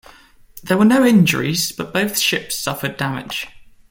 There were no injuries, but both ships suffered damage.